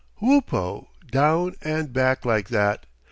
Whoopo down and back like that!